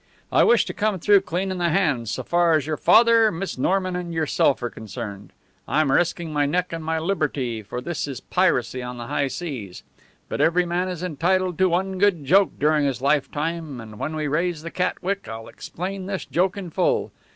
I wish to come through clean in the hands so far as your father, Miss Norman, and yourself are concerned. I'm risking my neck and my liberty, for this is piracy on the high seas. But every man is entitled to one good joke during his lifetime, and when we raise the Catwick I'll explain this joke in full.